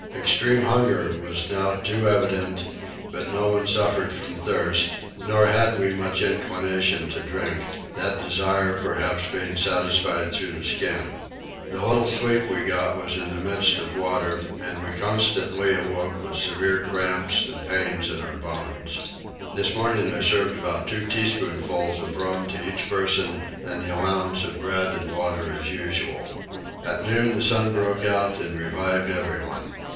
Extreme hunger was now too evident, but no one suffered from thirst, nor had we much inclination to drink, that desire perhaps being satisfied through the skin. The little sleep we got was in the midst of water, and we constantly awoke with severe cramps and pains in our bones. This morning I served about two teaspoonfuls of rum to each person and the allowance of bread and water as usual. At noon the sun broke out and revived everyone.